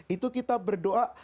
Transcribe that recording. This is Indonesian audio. itu kita berdoa